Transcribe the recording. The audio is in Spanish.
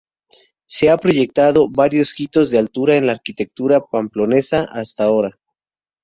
Se han proyectado varios hitos de altura en la arquitectura pamplonesa hasta ahora.